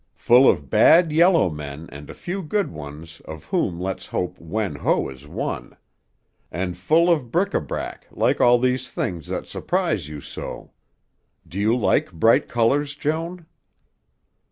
"Full of bad yellow men and a few good ones of whom let's hope Wen Ho is one. And full of bric à brac like all these things that surprise you so. Do you like bright colors, Joan?"